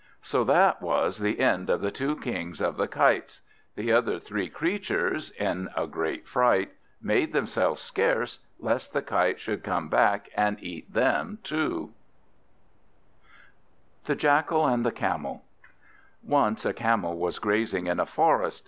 So that was the end of the two Kings of the Kites. The other three creatures, in a great fright, made themselves scarce, lest the Kite should come back and eat them too. The Jackal and the Camel ONCE a Camel was grazing in a forest.